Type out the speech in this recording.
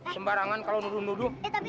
sembarangan kalau nuduh nuduh